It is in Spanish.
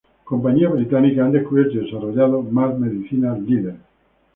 Compañías británicas han descubierto y desarrollado más medicinas "líderes"¿?